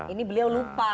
ini beliau lupa